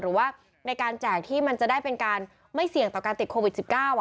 หรือว่าในการแจกที่มันจะได้เป็นการไม่เสี่ยงต่อการติดโควิด๑๙